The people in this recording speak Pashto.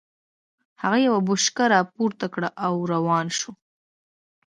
هغه يوه بوشکه را پورته کړه او روان شو.